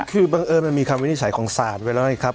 คือมันมีความวินิจฉัยของศาลไว้แล้วนะครับ